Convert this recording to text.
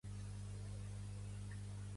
Què se t'hi ha perdut, a Arrahona de Sabadell?